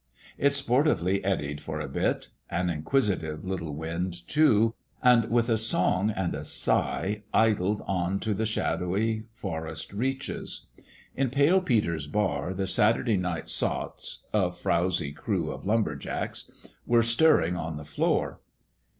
It sportively eddied for a bit an inquisitive little wind, too and with a song and a sigh idled on to the shadowy forest reaches. In Pale Peter's bar the Saturday night sots a frowzy crew of lumber jacks were stir ring on the floor.